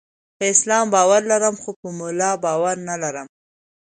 په اسلام باور لرم، خو په مولا باور نلرم.